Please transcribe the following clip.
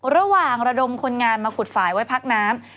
ระดมคนงานมาขุดฝ่ายไว้พักน้ำ